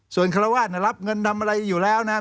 ส่วนคารวาสเนี่ยรับเงินทำอะไรอยู่แล้วนะ